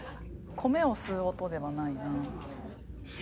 米を吸う音ではないなぁ。